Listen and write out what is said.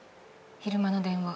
昼間の電話。